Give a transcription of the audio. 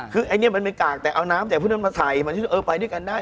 คือไอ้เนี้ยมันเป็นกากแต่เอาน้ำแต่พวกนั้นมาใส่เออไปด้วยกันได้